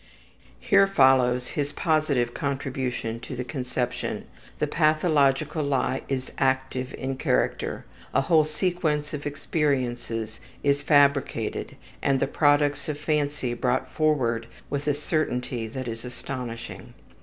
Here follows his positive contribution to the conception; the pathological lie is active in character, a whole sequence of experiences is fabricated and the products of fancy brought forward with a certainty that is astonishing.